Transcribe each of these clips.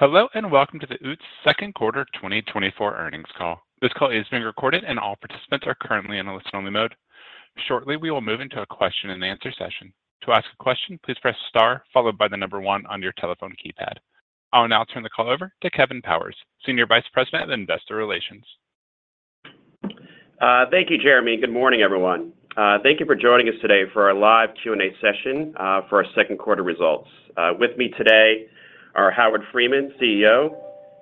Hello and welcome to the Utz second quarter 2024 earnings call. This call is being recorded, and all participants are currently in a listen-only mode. Shortly, we will move into a question-and-answer session. To ask a question, please press star followed by the number one on your telephone keypad. I'll now turn the call over to Kevin Powers, Senior Vice President of Investor Relations. Thank you, Jeremy. Good morning, everyone. Thank you for joining us today for our live Q&A session for our second quarter results. With me today are Howard Friedman, CEO,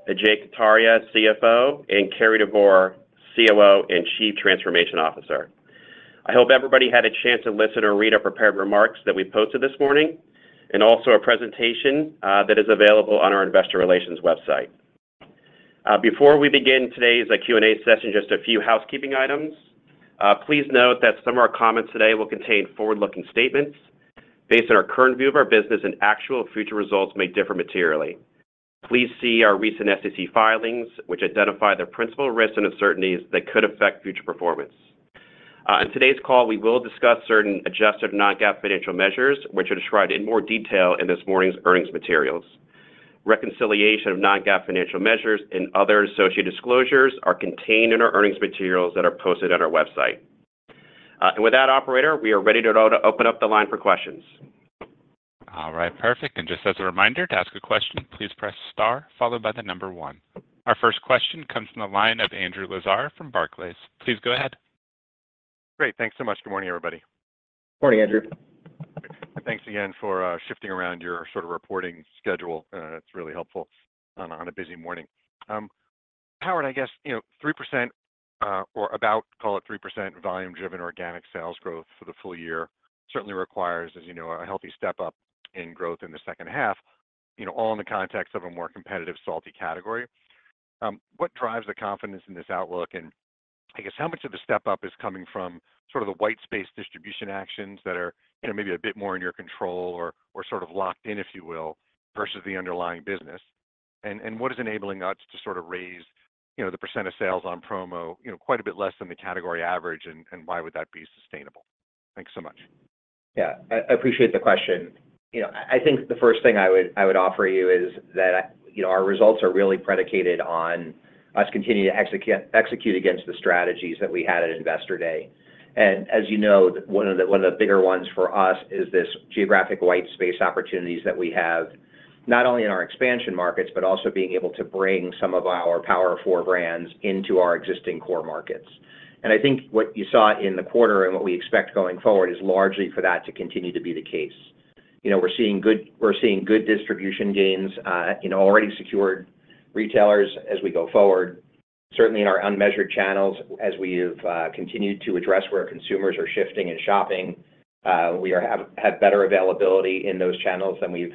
Ajay Kataria, CFO, and Cary Devore, COO and Chief Transformation Officer. I hope everybody had a chance to listen or read our prepared remarks that we posted this morning, and also a presentation that is available on our Investor Relations website. Before we begin today's Q&A session, just a few housekeeping items. Please note that some of our comments today will contain forward-looking statements. Based on our current view of our business, actual future results may differ materially. Please see our recent SEC filings, which identify the principal risks and uncertainties that could affect future performance. On today's call, we will discuss certain adjusted non-GAAP financial measures, which are described in more detail in this morning's earnings materials. Reconciliation of non-GAAP financial measures and other associated disclosures are contained in our earnings materials that are posted on our website. And with that, operator, we are ready to open up the line for questions. All right. Perfect. Just as a reminder, to ask a question, please press star followed by the number one. Our first question comes from the line of Andrew Lazar from Barclays. Please go ahead. Great. Thanks so much. Good morning, everybody. Morning, Andrew. Thanks again for shifting around your sort of reporting schedule. It's really helpful on a busy morning. Howard, I guess 3% or about, call it 3% volume-driven organic sales growth for the full year certainly requires, as you know, a healthy step up in growth in the second half, all in the context of a more competitive, salty category. What drives the confidence in this outlook? And I guess, how much of the step up is coming from sort of the white space distribution actions that are maybe a bit more in your control or sort of locked in, if you will, versus the underlying business? And what is enabling us to sort of raise the percent of sales on promo quite a bit less than the category average? And why would that be sustainable? Thanks so much. Yeah, I appreciate the question. I think the first thing I would offer you is that our results are really predicated on us continuing to execute against the strategies that we had at Investor Day. And as you know, one of the bigger ones for us is this geographic white space opportunities that we have, not only in our expansion markets, but also being able to bring some of our Power 4 brands into our existing core markets. And I think what you saw in the quarter and what we expect going forward is largely for that to continue to be the case. We're seeing good distribution gains, already secured retailers as we go forward. Certainly, in our unmeasured channels, as we have continued to address where consumers are shifting and shopping, we have better availability in those channels than we've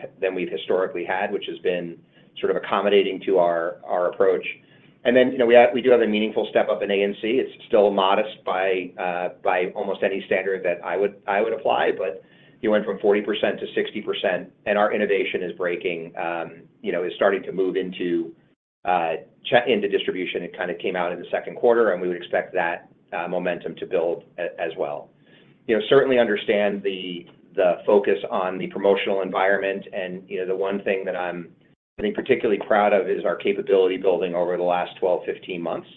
historically had, which has been sort of accommodating to our approach. Then we do have a meaningful step up in A&C. It's still modest by almost any standard that I would apply, but you went from 40%-60%, and our innovation is starting to move into distribution and kind of came out in the second quarter, and we would expect that momentum to build as well. Certainly understand the focus on the promotional environment. The one thing that I'm particularly proud of is our capability building over the last 12, 15 months.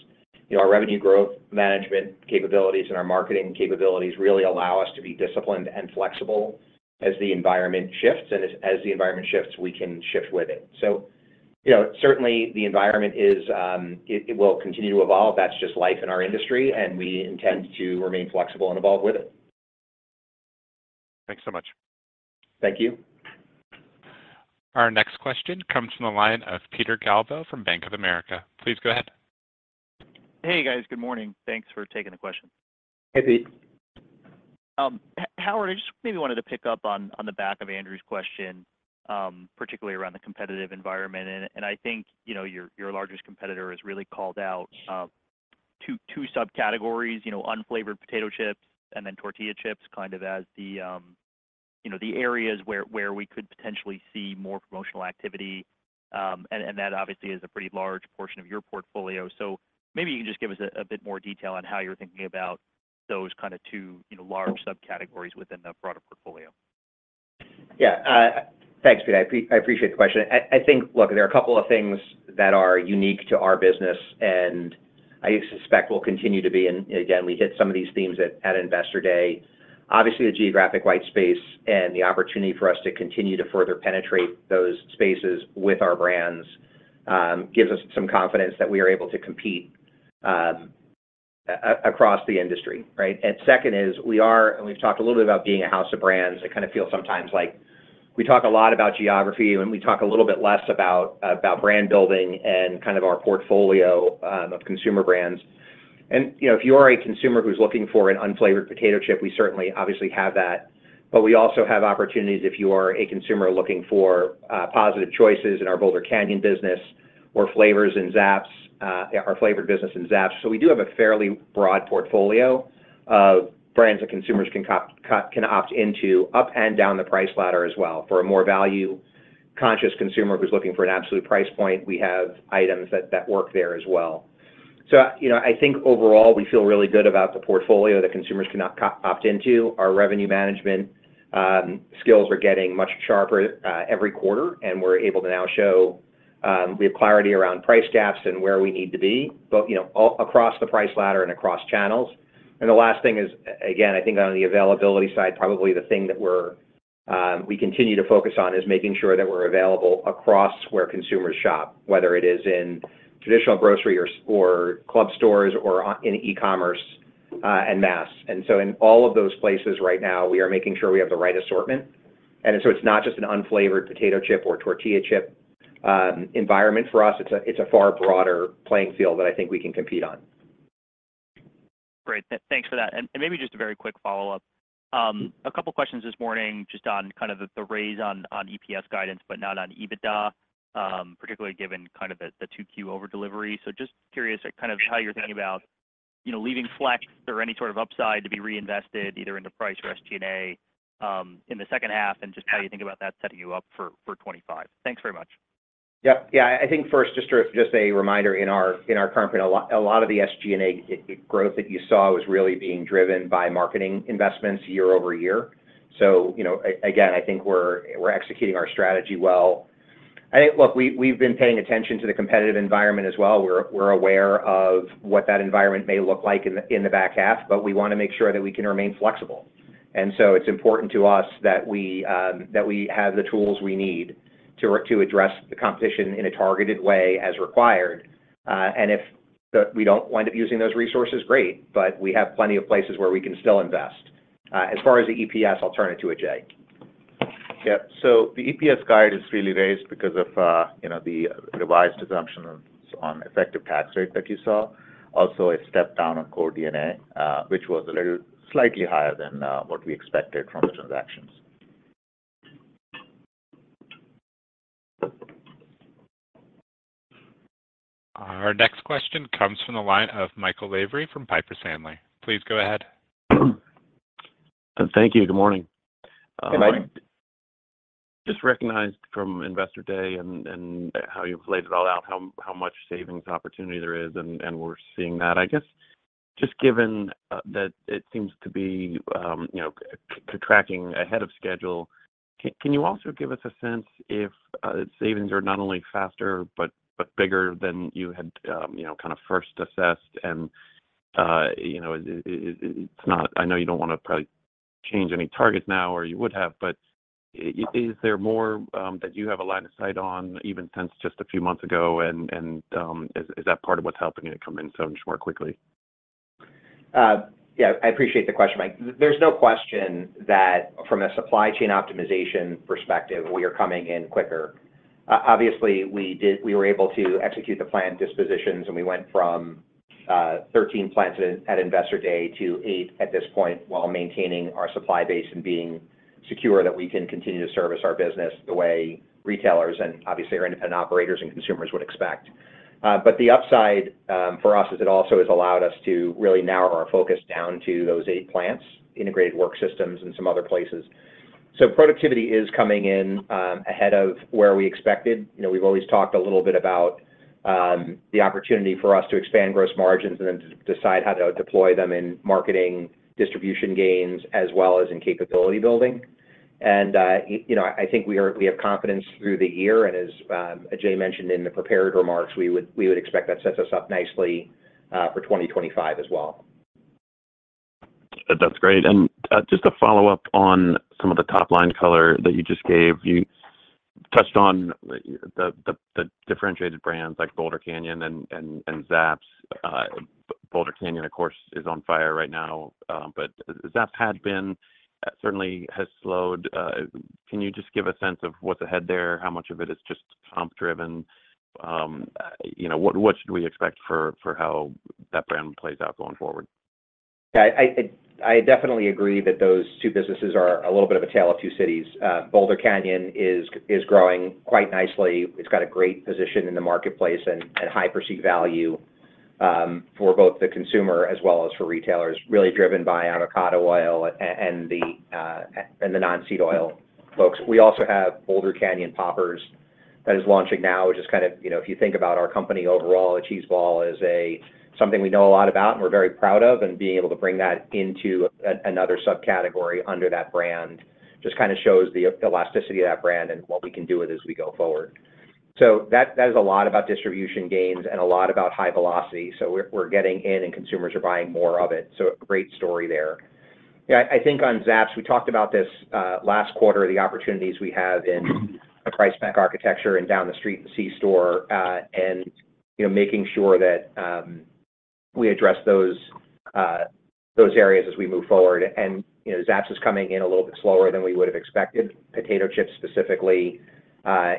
Our revenue growth management capabilities and our marketing capabilities really allow us to be disciplined and flexible as the environment shifts. As the environment shifts, we can shift with it. Certainly, the environment will continue to evolve. That's just life in our industry, and we intend to remain flexible and evolve with it. Thanks so much. Thank you. Our next question comes from the line of Peter Galbo from Bank of America. Please go ahead. Hey, guys. Good morning. Thanks for taking the question. Hey, Pete. Howard, I just maybe wanted to pick up on the back of Andrew's question, particularly around the competitive environment. I think your largest competitor has really called out two subcategories: unflavored potato chips and then tortilla chips, kind of as the areas where we could potentially see more promotional activity. That obviously is a pretty large portion of your portfolio. Maybe you can just give us a bit more detail on how you're thinking about those kind of two large subcategories within the broader portfolio. Yeah. Thanks, Pete. I appreciate the question. I think, look, there are a couple of things that are unique to our business and I suspect will continue to be. And again, we hit some of these themes at Investor Day. Obviously, the geographic white space and the opportunity for us to continue to further penetrate those spaces with our brands gives us some confidence that we are able to compete across the industry. Right? And second is, we are, and we've talked a little bit about being a house of brands. I kind of feel sometimes like we talk a lot about geography, and we talk a little bit less about brand building and kind of our portfolio of consumer brands. And if you are a consumer who's looking for an unflavored potato chip, we certainly obviously have that. But we also have opportunities if you are a consumer looking for positive choices in our Boulder Canyon business or flavors and Zapp's, our flavored business and Zapp's. So we do have a fairly broad portfolio of brands that consumers can opt into up and down the price ladder as well. For a more value-conscious consumer who's looking for an absolute price point, we have items that work there as well. So I think overall, we feel really good about the portfolio that consumers can opt into. Our revenue management skills are getting much sharper every quarter, and we're able to now show we have clarity around price gaps and where we need to be across the price ladder and across channels. And the last thing is, again, I think on the availability side, probably the thing that we continue to focus on is making sure that we're available across where consumers shop, whether it is in traditional grocery or club stores or in e-commerce and mass. And so in all of those places right now, we are making sure we have the right assortment. And so it's not just an unflavored potato chip or tortilla chip environment for us. It's a far broader playing field that I think we can compete on. Great. Thanks for that. And maybe just a very quick follow-up. A couple of questions this morning just on kind of the raise on EPS guidance, but not on EBITDA, particularly given kind of the 2Q overdelivery. So just curious kind of how you're thinking about leaving flex or any sort of upside to be reinvested either into price or SG&A in the second half and just how you think about that setting you up for 2025. Thanks very much. Yep. Yeah. I think first, just a reminder in our current, a lot of the SG&A growth that you saw was really being driven by marketing investments year over year. So again, I think we're executing our strategy well. I think, look, we've been paying attention to the competitive environment as well. We're aware of what that environment may look like in the back half, but we want to make sure that we can remain flexible. And so it's important to us that we have the tools we need to address the competition in a targeted way as required. And if we don't wind up using those resources, great, but we have plenty of places where we can still invest. As far as the EPS, I'll turn it to Ajay. Yeah. So the EPS guide is really raised because of the revised assumption on effective tax rate that you saw. Also, a step down on core D&A, which was a little slightly higher than what we expected from the transactions. Our next question comes from the line of Michael Lavery from Piper Sandler. Please go ahead. Thank you. Good morning. Hey, Mike. Just recognized from Investor Day and how you've laid it all out, how much savings opportunity there is, and we're seeing that. I guess just given that it seems to be tracking ahead of schedule, can you also give us a sense if savings are not only faster but bigger than you had kind of first assessed? And it's not, I know you don't want to probably change any targets now, or you would have, but is there more that you have a line of sight on even since just a few months ago? And is that part of what's helping it come in so much more quickly? Yeah. I appreciate the question, Mike. There's no question that from a supply chain optimization perspective, we are coming in quicker. Obviously, we were able to execute the planned dispositions, and we went from 13 plants at Investor Day to 8 at this point while maintaining our supply base and being secure that we can continue to service our business the way retailers and obviously our independent operators and consumers would expect. But the upside for us is it also has allowed us to really narrow our focus down to those 8 plants, Integrated Work Systems, and some other places. So productivity is coming in ahead of where we expected. We've always talked a little bit about the opportunity for us to expand gross margins and then decide how to deploy them in marketing distribution gains as well as in capability building. I think we have confidence through the year. As Ajay mentioned in the prepared remarks, we would expect that sets us up nicely for 2025 as well. That's great. And just to follow up on some of the top line color that you just gave, you touched on the differentiated brands like Boulder Canyon and Zapp's. Boulder Canyon, of course, is on fire right now, but Zapp's had been certainly has slowed. Can you just give a sense of what's ahead there? How much of it is just comp driven? What should we expect for how that brand plays out going forward? Yeah. I definitely agree that those two businesses are a little bit of a tale of two cities. Boulder Canyon is growing quite nicely. It's got a great position in the marketplace and high perceived value for both the consumer as well as for retailers, really driven by avocado oil and the non-seed oil folks. We also have Boulder Canyon Poppers that is launching now, which is kind of, if you think about our company overall, a cheese ball is something we know a lot about and we're very proud of. And being able to bring that into another subcategory under that brand just kind of shows the elasticity of that brand and what we can do with it as we go forward. So that is a lot about distribution gains and a lot about high velocity. So we're getting in and consumers are buying more of it. So a great story there. Yeah. I think on Zapp's, we talked about this last quarter, the opportunities we have in a price-pack architecture and downstream and C-store and making sure that we address those areas as we move forward. And Zapp's is coming in a little bit slower than we would have expected. Potato chips specifically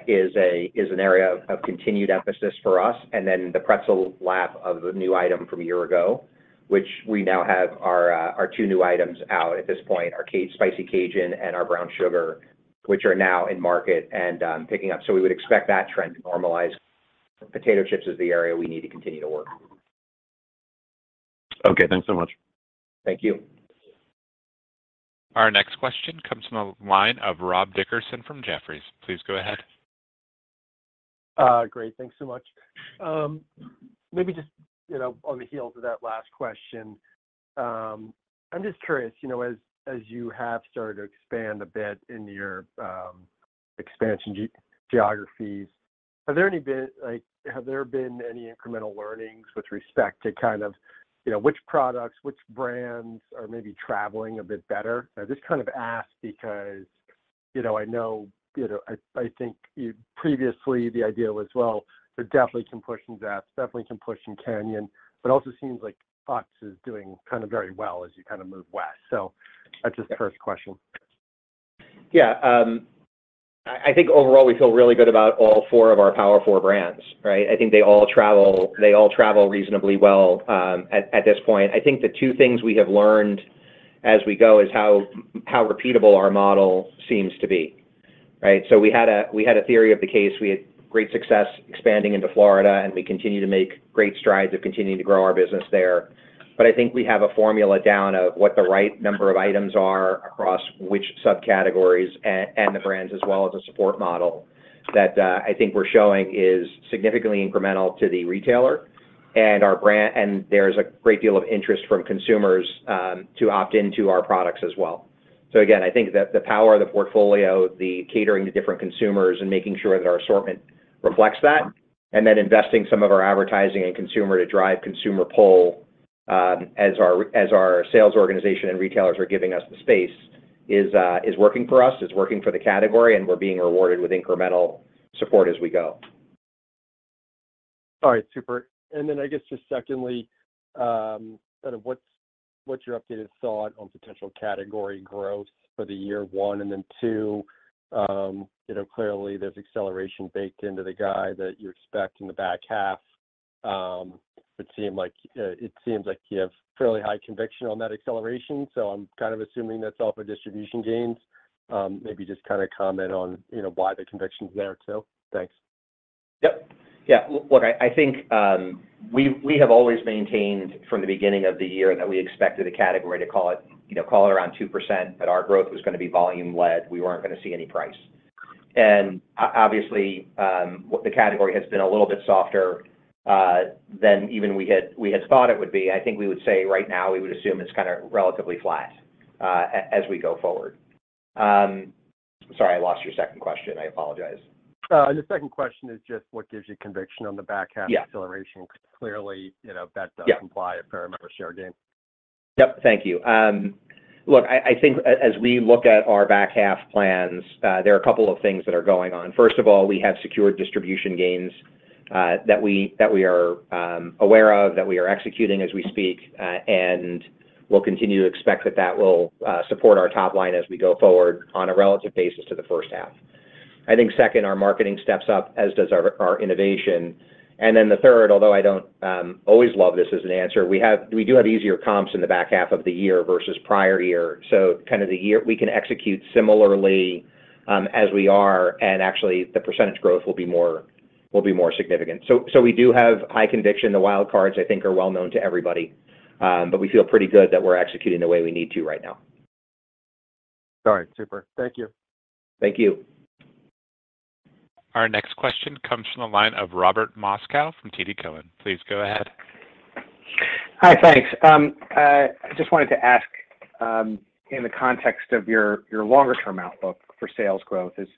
is an area of continued emphasis for us. And then the pretzel launch of a new item from a year ago, which we now have our two new items out at this point, our Spicy Cajun and our Brown Sugar, which are now in market and picking up. So we would expect that trend to normalize. Potato chips is the area we need to continue to work. Okay. Thanks so much. Thank you. Our next question comes from the line of Rob Dickerson from Jefferies. Please go ahead. Great. Thanks so much. Maybe just on the heels of that last question, I'm just curious, as you have started to expand a bit in your expansion geographies, have there been any incremental learnings with respect to kind of which products, which brands are maybe traveling a bit better? I just kind of ask because I know I think previously the idea was, well, they're definitely can push in Zapp's, definitely can push in Canyon, but also seems like Utz is doing kind of very well as you kind of move west. So that's just the first question. Yeah. I think overall we feel really good about all 4 of our Power 4 brands, right? I think the 2 things we have learned as we go is how repeatable our model seems to be, right? We had a theory of the case. We had great success expanding into Florida, and we continue to make great strides of continuing to grow our business there. I think we have a formula down of what the right number of items are across which subcategories and the brands as well as a support model that I think we're showing is significantly incremental to the retailer. And there's a great deal of interest from consumers to opt into our products as well. So, again, I think that the power of the portfolio, the catering to different consumers and making sure that our assortment reflects that, and then investing some of our advertising and consumer to drive consumer pull as our sales organization and retailers are giving us the space, is working for us, is working for the category, and we're being rewarded with incremental support as we go. All right. Super. And then I guess just secondly, kind of what's your updated thought on potential category growth for the year one and then two? Clearly, there's acceleration baked into the guide that you expect in the back half. It seems like you have fairly high conviction on that acceleration. So I'm kind of assuming that's off of distribution gains. Maybe just kind of comment on why the conviction's there too. Thanks. Yep. Yeah. Look, I think we have always maintained from the beginning of the year that we expected a category to call it around 2%, but our growth was going to be volume-led. We weren't going to see any price. And obviously, the category has been a little bit softer than even we had thought it would be. I think we would say right now we would assume it's kind of relatively flat as we go forward. Sorry, I lost your second question. I apologize. The second question is just what gives you conviction on the back half acceleration? Clearly, that does imply a fair amount of share gain. Yep. Thank you. Look, I think as we look at our back half plans, there are a couple of things that are going on. First of all, we have secured distribution gains that we are aware of, that we are executing as we speak, and we'll continue to expect that that will support our top line as we go forward on a relative basis to the first half. I think second, our marketing steps up, as does our innovation. And then the third, although I don't always love this as an answer, we do have easier comps in the back half of the year versus prior year. So kind of the year we can execute similarly as we are, and actually the percentage growth will be more significant. So we do have high conviction. The wild cards, I think, are well known to everybody, but we feel pretty good that we're executing the way we need to right now. All right. Super. Thank you. Thank you. Our next question comes from the line of Robert Moskow from TD Cowen. Please go ahead. Hi, thanks. I just wanted to ask in the context of your longer-term outlook for sales growth is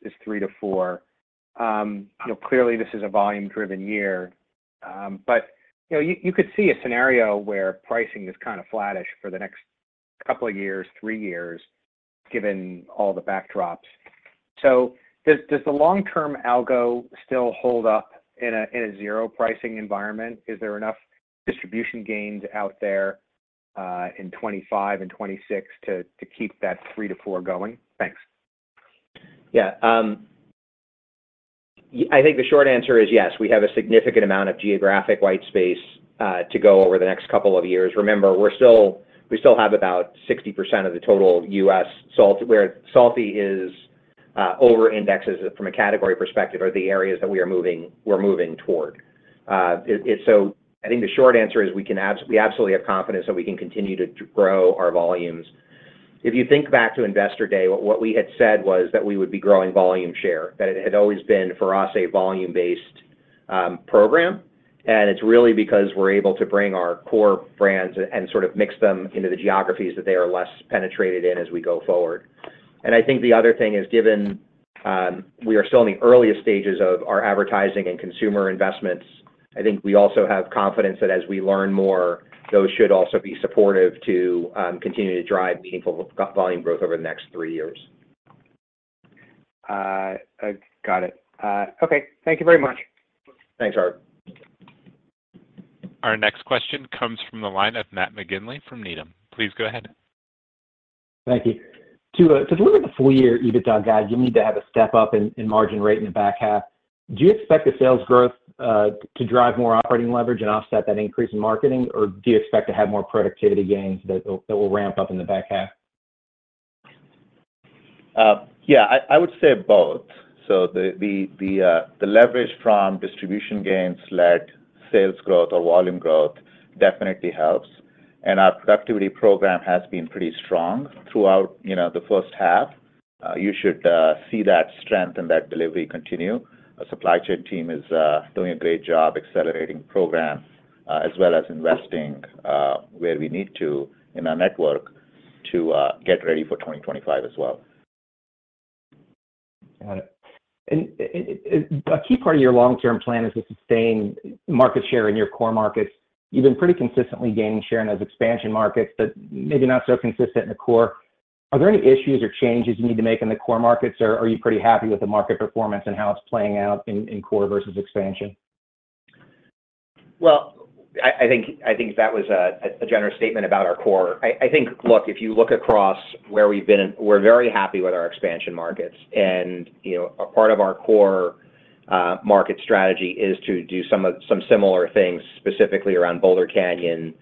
3%-4%. Clearly, this is a volume-driven year, but you could see a scenario where pricing is kind of flattish for the next couple of years, three years, given all the backdrops. So does the long-term algo still hold up in a zero pricing environment? Is there enough distribution gains out there in 2025 and 2026 to keep that 3%-4% going? Thanks. Yeah. I think the short answer is yes. We have a significant amount of geographic white space to go over the next couple of years. Remember, we still have about 60% of the total U.S. where Salty is over indexes from a category perspective are the areas that we are moving toward. So I think the short answer is we absolutely have confidence that we can continue to grow our volumes. If you think back to Investor Day, what we had said was that we would be growing volume share, that it had always been for us a volume-based program. And it's really because we're able to bring our core brands and sort of mix them into the geographies that they are less penetrated in as we go forward. I think the other thing is given we are still in the earliest stages of our advertising and consumer investments, I think we also have confidence that as we learn more, those should also be supportive to continue to drive meaningful volume growth over the next three years. Got it. Okay. Thank you very much. Thanks, Robert. Our next question comes from the line of Matt McGinley from Needham. Please go ahead. Thank you. To deliver the full-year EBITDA guide, you need to have a step up in margin rate in the back half. Do you expect the sales growth to drive more operating leverage and offset that increase in marketing, or do you expect to have more productivity gains that will ramp up in the back half? Yeah. I would say both. So the leverage from distribution gains led sales growth or volume growth definitely helps. And our productivity program has been pretty strong throughout the first half. You should see that strength and that delivery continue. Our supply chain team is doing a great job accelerating the program as well as investing where we need to in our network to get ready for 2025 as well. Got it. A key part of your long-term plan is to sustain market share in your core markets. You've been pretty consistently gaining share in those expansion markets, but maybe not so consistent in the core. Are there any issues or changes you need to make in the core markets, or are you pretty happy with the market performance and how it's playing out in core versus expansion? Well, I think that was a generous statement about our core. I think, look, if you look across where we've been, we're very happy with our expansion markets. And a part of our core market strategy is to do some similar things specifically around Boulder Canyon,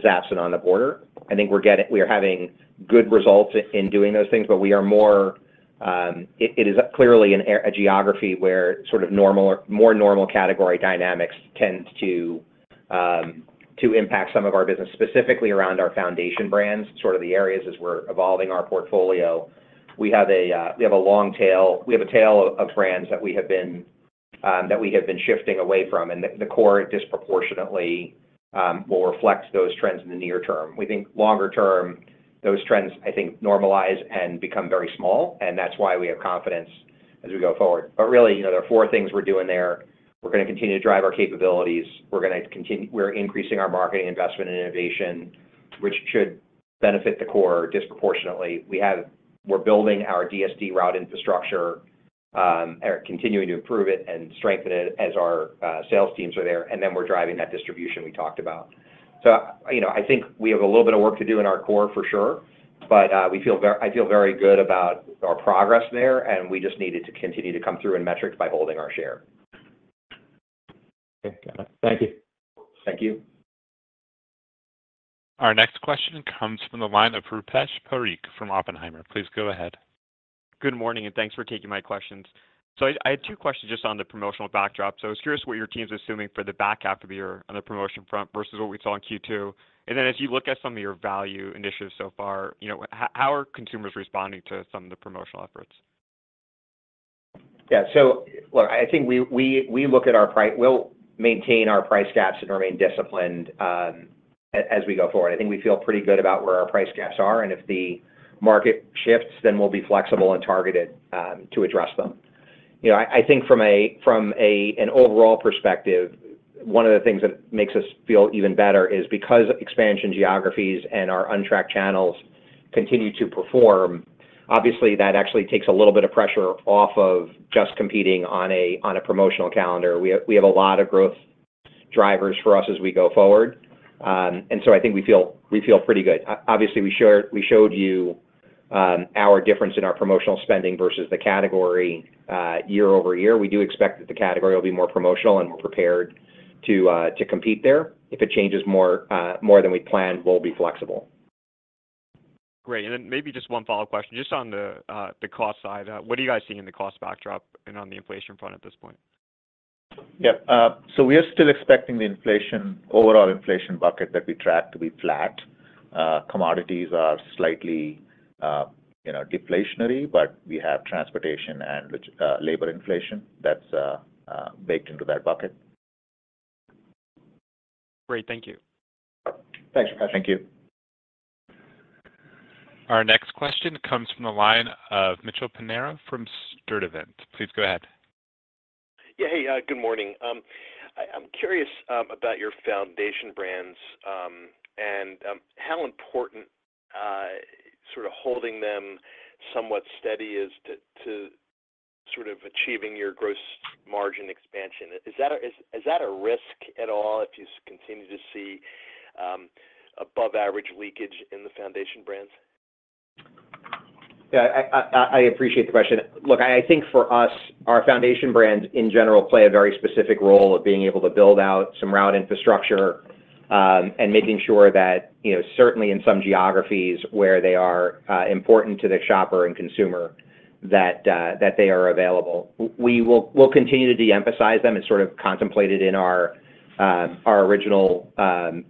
Zapp's, and On The Border. I think we're having good results in doing those things, but we are more, it is clearly a geography where sort of more normal category dynamics tend to impact some of our business, specifically around our foundation brands, sort of the areas as we're evolving our portfolio. We have a long tail. We have a tail of brands that we have been shifting away from, and the core disproportionately will reflect those trends in the near term. We think longer term, those trends, I think, normalize and become very small, and that's why we have confidence as we go forward. But really, there are four things we're doing there. We're going to continue to drive our capabilities. We're going to continue increasing our marketing investment and innovation, which should benefit the core disproportionately. We're building our DSD route infrastructure, continuing to improve it and strengthen it as our sales teams are there, and then we're driving that distribution we talked about. So I think we have a little bit of work to do in our core for sure, but I feel very good about our progress there, and we just needed to continue to come through in metrics by holding our share. Okay. Got it. Thank you. Thank you. Our next question comes from the line of Rupesh Parikh from Oppenheimer. Please go ahead. Good morning, and thanks for taking my questions. So I had two questions just on the promotional backdrop. So I was curious what your team's assuming for the back half of the year on the promotion front versus what we saw in Q2. And then as you look at some of your value initiatives so far, how are consumers responding to some of the promotional efforts? Yeah. So look, I think we look at our we'll maintain our price gaps and remain disciplined as we go forward. I think we feel pretty good about where our price gaps are, and if the market shifts, then we'll be flexible and targeted to address them. I think from an overall perspective, one of the things that makes us feel even better is because expansion geographies and our untracked channels continue to perform, obviously, that actually takes a little bit of pressure off of just competing on a promotional calendar. We have a lot of growth drivers for us as we go forward. And so I think we feel pretty good. Obviously, we showed you our difference in our promotional spending versus the category year-over-year. We do expect that the category will be more promotional and more prepared to compete there. If it changes more than we planned, we'll be flexible. Great. And then maybe just one follow-up question. Just on the cost side, what are you guys seeing in the cost backdrop and on the inflation front at this point? Yep. So we are still expecting the overall inflation bucket that we track to be flat. Commodities are slightly deflationary, but we have transportation and labor inflation that's baked into that bucket. Great. Thank you. Thanks, Rupesh. Thank you. Our next question comes from the line of Mitchell Pinheiro from Sturdivant. Please go ahead. Yeah. Hey, good morning. I'm curious about your foundation brands and how important sort of holding them somewhat steady is to sort of achieving your gross margin expansion. Is that a risk at all if you continue to see above-average leakage in the foundation brands? Yeah. I appreciate the question. Look, I think for us, our foundation brands in general play a very specific role of being able to build out some route infrastructure and making sure that certainly in some geographies where they are important to the shopper and consumer, that they are available. We'll continue to de-emphasize them and sort of contemplate it in our original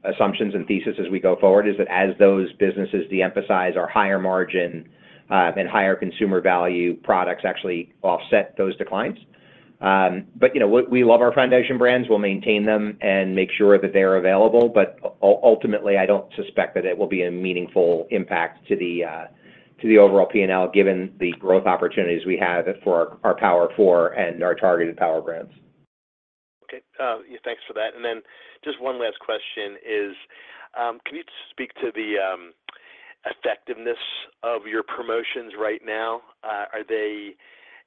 assumptions and thesis as we go forward, is that as those businesses de-emphasize our higher margin and higher consumer value products actually offset those declines. But we love our foundation brands. We'll maintain them and make sure that they're available. But ultimately, I don't suspect that it will be a meaningful impact to the overall P&L given the growth opportunities we have for our Power 4 and our targeted Power brands. Okay. Thanks for that. And then just one last question is, can you speak to the effectiveness of your promotions right now?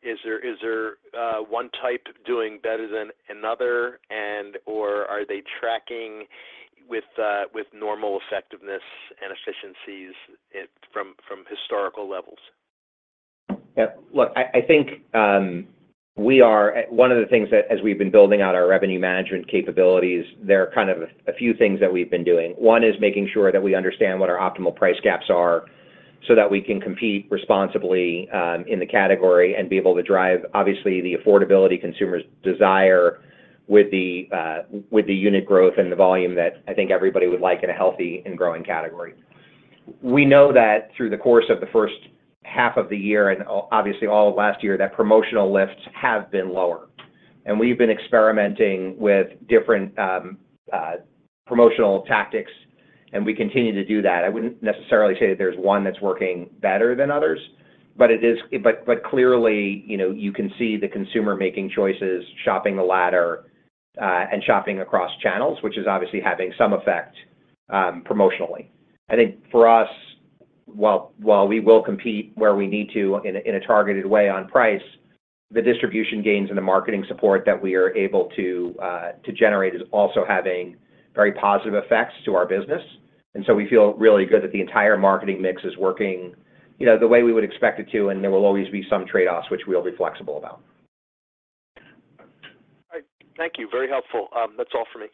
Is there one type doing better than another, and/or are they tracking with normal effectiveness and efficiencies from historical levels? Yep. Look, I think we are one of the things that as we've been building out our revenue management capabilities, there are kind of a few things that we've been doing. One is making sure that we understand what our optimal price gaps are so that we can compete responsibly in the category and be able to drive, obviously, the affordability consumers desire with the unit growth and the volume that I think everybody would like in a healthy and growing category. We know that through the course of the first half of the year and obviously all of last year, that promotional lifts have been lower. And we've been experimenting with different promotional tactics, and we continue to do that. I wouldn't necessarily say that there's one that's working better than others, but clearly, you can see the consumer making choices, shopping the ladder, and shopping across channels, which is obviously having some effect promotionally. I think for us, while we will compete where we need to in a targeted way on price, the distribution gains and the marketing support that we are able to generate is also having very positive effects to our business. And so we feel really good that the entire marketing mix is working the way we would expect it to, and there will always be some trade-offs, which we'll be flexible about. All right. Thank you. Very helpful. That's all for me.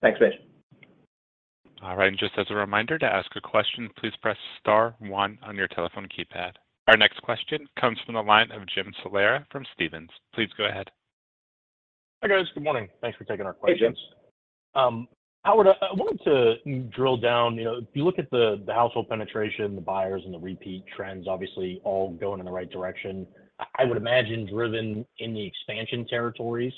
Thanks, Mitch. All right. And just as a reminder to ask a question, please press star one on your telephone keypad. Our next question comes from the line of Jim Salera from Stephens. Please go ahead. Hi guys. Good morning. Thanks for taking our questions. Hey, Jim. Howard, I wanted to drill down. If you look at the household penetration, the buyers, and the repeat trends, obviously all going in the right direction, I would imagine driven in the expansion territories.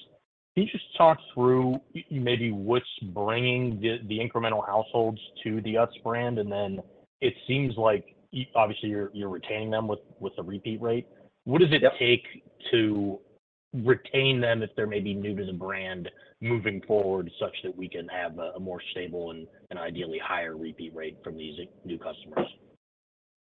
Can you just talk through maybe what's bringing the incremental households to the Utz brand? Then it seems like obviously you're retaining them with the repeat rate. What does it take to retain them if they're maybe new to the brand moving forward such that we can have a more stable and ideally higher repeat rate from these new customers?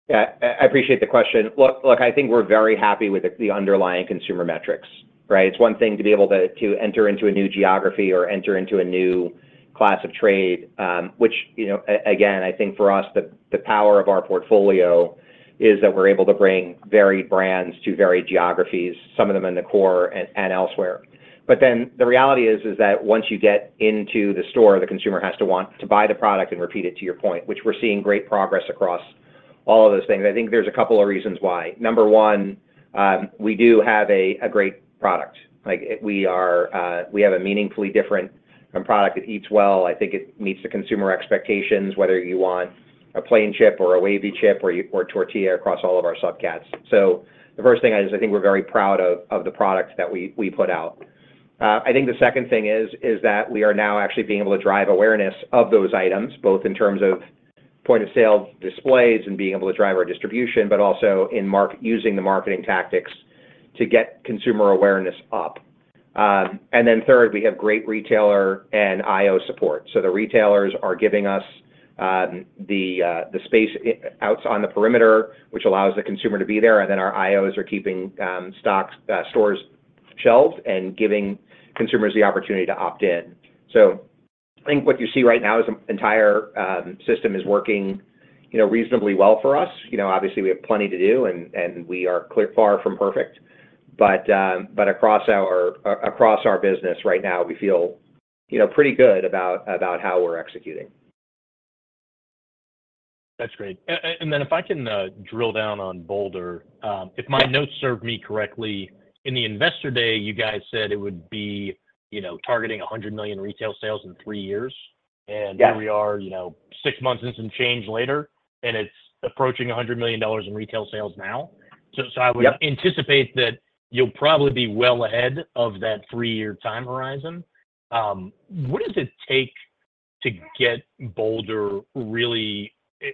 Yeah. I appreciate the question. Look, I think we're very happy with the underlying consumer metrics, right? It's one thing to be able to enter into a new geography or enter into a new class of trade, which again, I think for us, the power of our portfolio is that we're able to bring varied brands to varied geographies, some of them in the core and elsewhere. But then the reality is that once you get into the store, the consumer has to want to buy the product and repeat it, to your point, which we're seeing great progress across all of those things. I think there's a couple of reasons why. Number one, we do have a great product. We have a meaningfully different product that eats well. I think it meets the consumer expectations, whether you want a plain chip or a wavy chip or a tortilla across all of our subcats. So the first thing is I think we're very proud of the product that we put out. I think the second thing is that we are now actually being able to drive awareness of those items, both in terms of point-of-sale displays and being able to drive our distribution, but also in using the marketing tactics to get consumer awareness up. And then third, we have great retailer and IO support. So the retailers are giving us the space out on the perimeter, which allows the consumer to be there, and then our IOs are keeping stock stores shelved and giving consumers the opportunity to opt in. So I think what you see right now is the entire system is working reasonably well for us. Obviously, we have plenty to do, and we are far from perfect. But across our business right now, we feel pretty good about how we're executing. That's great. And then if I can drill down on Boulder, if my notes serve me correctly, in the investor day, you guys said it would be targeting $100 million retail sales in three years. And here we are, six months and some change later, and it's approaching $100 million in retail sales now. So I would anticipate that you'll probably be well ahead of that three-year time horizon. What does it take to get Boulder really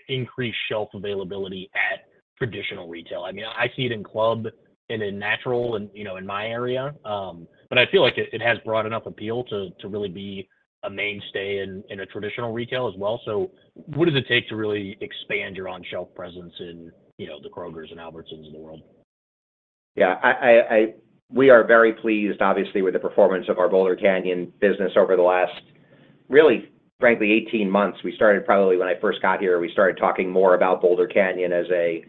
increase shelf availability at traditional retail? I mean, I see it in club and in natural in my area, but I feel like it has brought enough appeal to really be a mainstay in a traditional retail as well. So what does it take to really expand your on-shelf presence in the Krogers and Albertsons of the world? Yeah. We are very pleased, obviously, with the performance of our Boulder Canyon business over the last, really, frankly, 18 months. We started probably when I first got here, we started talking more about Boulder Canyon as a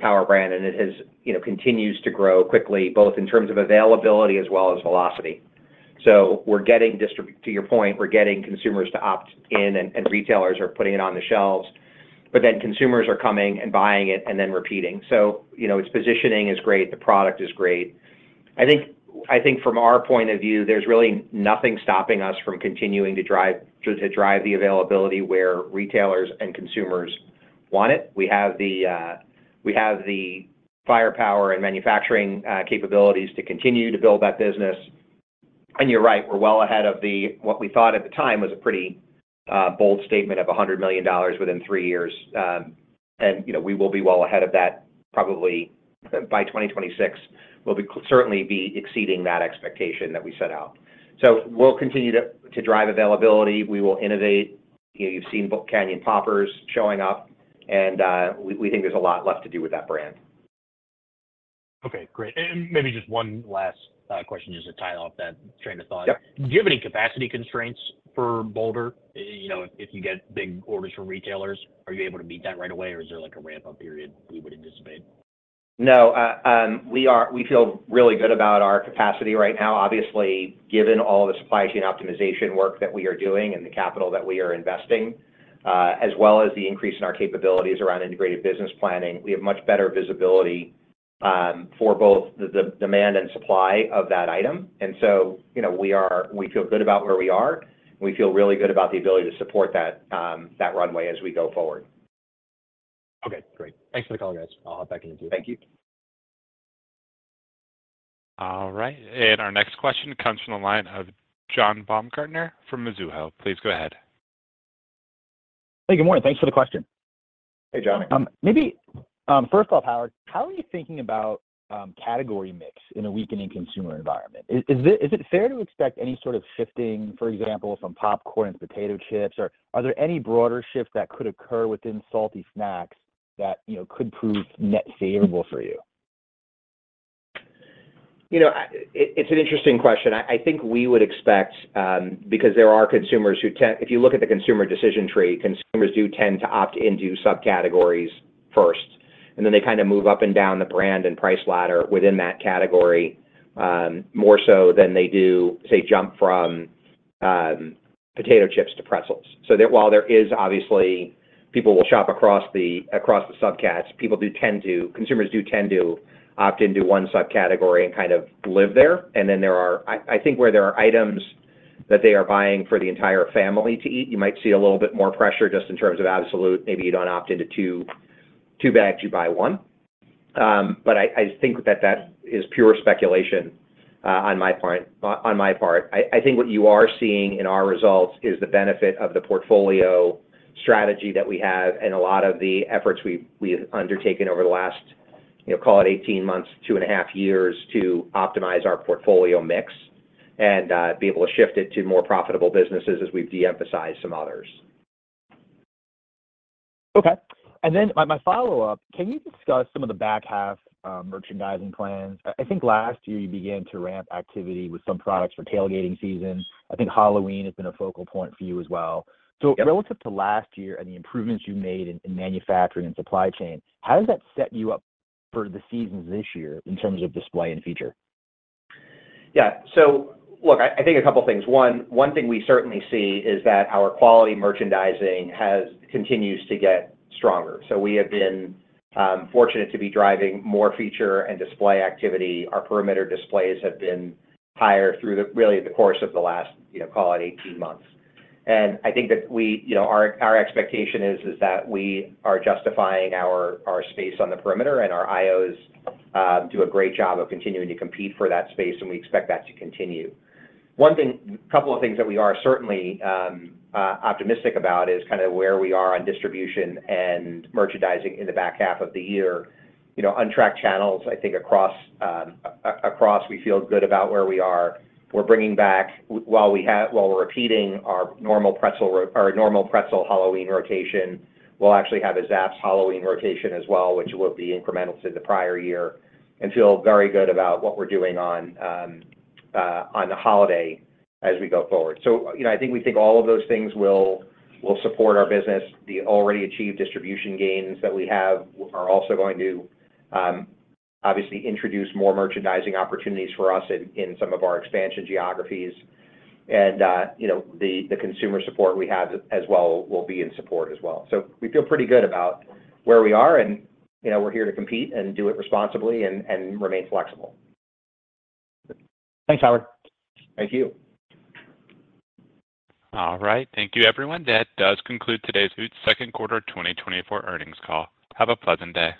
power brand, and it continues to grow quickly, both in terms of availability as well as velocity. So to your point, we're getting consumers to opt in, and retailers are putting it on the shelves, but then consumers are coming and buying it and then repeating. So its positioning is great. The product is great. I think from our point of view, there's really nothing stopping us from continuing to drive the availability where retailers and consumers want it. We have the firepower and manufacturing capabilities to continue to build that business. And you're right. We're well ahead of what we thought at the time was a pretty bold statement of $100 million within three years. We will be well ahead of that probably by 2026. We'll certainly be exceeding that expectation that we set out. We'll continue to drive availability. We will innovate. You've seen Canyon Poppers showing up, and we think there's a lot left to do with that brand. Okay. Great. Maybe just one last question just to tie off that train of thought. Do you have any capacity constraints for Boulder? If you get big orders from retailers, are you able to meet that right away, or is there a ramp-up period we would anticipate? No. We feel really good about our capacity right now. Obviously, given all the supply chain optimization work that we are doing and the capital that we are investing, as well as the increase in our capabilities around Integrated Business Planning, we have much better visibility for both the demand and supply of that item. And so we feel good about where we are. We feel really good about the ability to support that runway as we go forward. Okay. Great. Thanks for the call, guys. I'll hop back in with you. Thank you. All right. Our next question comes from the line of John Baumgartner from Mizuho. Please go ahead. Hey, good morning. Thanks for the question. Hey, Johnny. First off, Howard, how are you thinking about category mix in a weakening consumer environment? Is it fair to expect any sort of shifting, for example, from popcorn and potato chips, or are there any broader shifts that could occur within salty snacks that could prove net favorable for you? It's an interesting question. I think we would expect, because there are consumers who tend - if you look at the consumer decision tree, consumers do tend to opt into subcategories first, and then they kind of move up and down the brand and price ladder within that category more so than they do, say, jump from potato chips to pretzels. So while there is, obviously, people will shop across the subcats, consumers do tend to opt into one subcategory and kind of live there. And then I think where there are items that they are buying for the entire family to eat, you might see a little bit more pressure just in terms of absolute - maybe you don't opt into two bags, you buy one. But I think that that is pure speculation on my part. I think what you are seeing in our results is the benefit of the portfolio strategy that we have and a lot of the efforts we've undertaken over the last, call it, 18 months, 2.5 years to optimize our portfolio mix and be able to shift it to more profitable businesses as we've de-emphasized some others. Okay. And then my follow-up, can you discuss some of the back half merchandising plans? I think last year you began to ramp activity with some products for tailgating season. I think Halloween has been a focal point for you as well. So relative to last year and the improvements you made in manufacturing and supply chain, how does that set you up for the seasons this year in terms of display and feature? Yeah. So look, I think a couple of things. One thing we certainly see is that our quality merchandising continues to get stronger. So we have been fortunate to be driving more feature and display activity. Our perimeter displays have been higher through really the course of the last, call it, 18 months. And I think that our expectation is that we are justifying our space on the perimeter, and our IOs do a great job of continuing to compete for that space, and we expect that to continue. A couple of things that we are certainly optimistic about is kind of where we are on distribution and merchandising in the back half of the year. Untracked channels, I think, across we feel good about where we are. We're bringing back, while we're repeating our normal pretzel Halloween rotation, we'll actually have a Zapp's Halloween rotation as well, which will be incremental to the prior year, and feel very good about what we're doing on the holiday as we go forward. So I think we think all of those things will support our business. The already achieved distribution gains that we have are also going to obviously introduce more merchandising opportunities for us in some of our expansion geographies. The consumer support we have as well will be in support as well. So we feel pretty good about where we are, and we're here to compete and do it responsibly and remain flexible. Thanks, Howard. Thank you. All right. Thank you, everyone. That does conclude today's second quarter 2024 earnings call. Have a pleasant day.